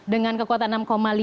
dengan kekuatan enam lima